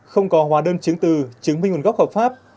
không có hóa đơn chứng từ chứng minh nguồn gốc hợp pháp